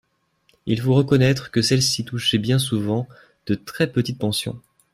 Il faut reconnaître que celles-ci touchaient bien souvent de très petites pensions.